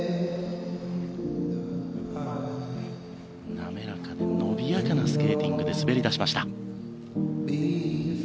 滑らか、伸びやかなスケーティングで滑り出しました。